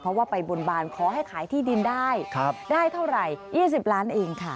เพราะว่าไปบนบานขอให้ขายที่ดินได้ได้เท่าไหร่๒๐ล้านเองค่ะ